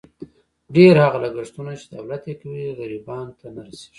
ډېر هغه لګښتونه، چې دولت یې کوي، غریبانو ته نه رسېږي.